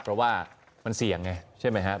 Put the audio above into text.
เพราะว่ามันเสี่ยงไงใช่ไหมฮะ